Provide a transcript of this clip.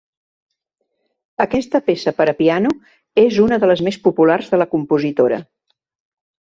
Aquesta peça per a piano és una de les més populars de la compositora.